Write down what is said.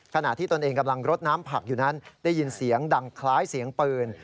ขณะที่ตนเองกำลังรดน้ำผักอยู่นั้นได้ยินเสียงดังคล้ายเสียงปืน